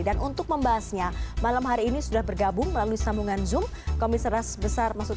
dan untuk membahasnya malam hari ini sudah bergabung melalui sambungan zoom